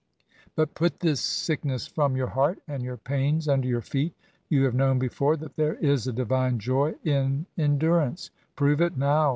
But put this sickness from your heart, and your pains under your feet. You have known before that there is a divine joy in en* durance. Prove it now.